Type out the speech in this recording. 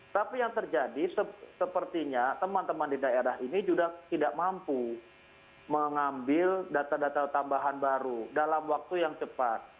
tapi yang terjadi sepertinya teman teman di daerah ini juga tidak mampu mengambil data data tambahan baru dalam waktu yang cepat